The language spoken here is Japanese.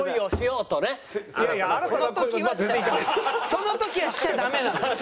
その時はしちゃダメなのよ。